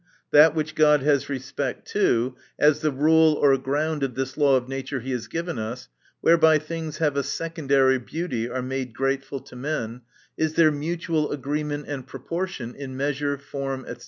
That which God has respect to, as the rule or ground of this law of nature he has given us, whereby things having a secondary beauty are made grateful to men, is their mutual agreement and proportion, in measure, form, &c.